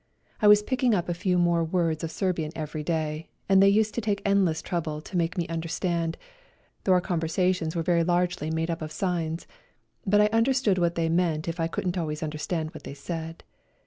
I was picking up a few more words of Serbian every day, and they used to take endless trouble to make me understand, though our conversations were very largely made up of signs, but I understood what they meant if I couldn't always understand what they said.